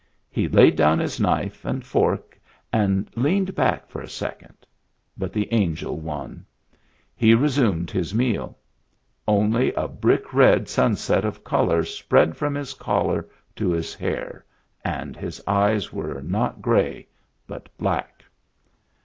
He laid down his knife and fork and leaned back for a second, but the angel won. He resumed his meal; only a brick red sunset of color spread from his collar to his hair — and his eyes were not gray, but black.